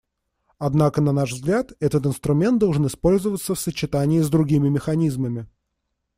Однако, на наш взгляд, этот инструмент должен использоваться в сочетании с другими механизмами.